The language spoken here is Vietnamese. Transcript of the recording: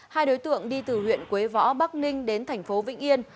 hai đối tượng đi từ huyện quế võ bắc ninh đến thành phố vĩnh yên